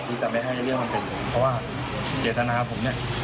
ที่จะไม่ให้เรื่องมันเป็นเหมือนกันเพราะว่าเกษณะผม